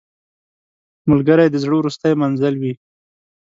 ملګری د زړه وروستی منزل وي